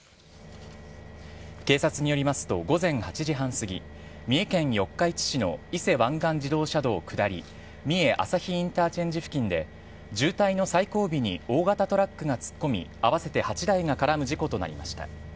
警察によりますと、午前８時半過ぎ、三重県四日市市の伊勢湾岸自動車道下り、みえ朝日インターチェンジ付近で、渋滞の最後尾に大型トラックが突っ込み、合わせて８台が絡む事故となりました。